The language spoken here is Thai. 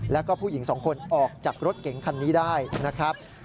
แล้วก็ผู้หญิงสองคนออกจากรถเก๋งคันนี้ได้นะครับ